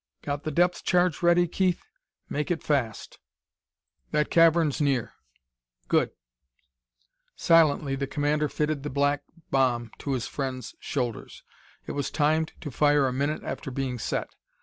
"Got the depth charge ready, Keith? Make it fast that cavern's near!... Good!" Silently the commander fitted the black bomb to his friend's shoulders. It was timed to fire a minute after being set.